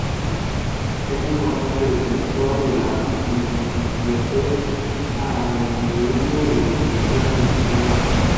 Es un constante defensor de la inmediatez, amateurismo y expresión emocional básica.